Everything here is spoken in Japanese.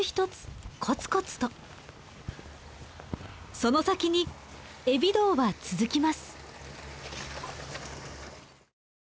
その先に海老道は続きます。